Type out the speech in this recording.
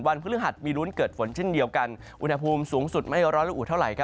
พฤหัสมีรุ้นเกิดฝนเช่นเดียวกันอุณหภูมิสูงสุดไม่ร้อยละอุเท่าไหร่